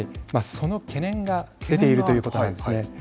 その懸念が出ているっていうことなんですね。